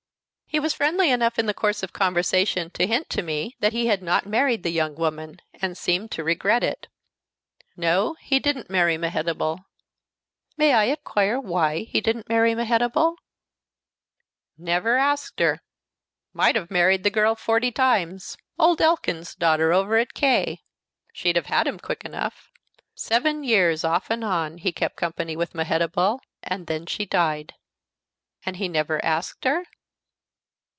"He was friendly enough in the course of conversation to hint to me that he had not married the young woman, and seemed to regret it." "No, he didn't marry Mehetabel." "May I inquire why he didn't marry Mehetabel?" "Never asked her. Might have married the girl forty times. Old Elkins's daughter, over at K . She'd have had him quick enough. Seven years, off and on, he kept company with Mehetabel, and then she died." "And he never asked her?"